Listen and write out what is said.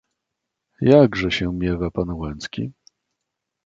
"Jakże się miewa pan Łęcki?"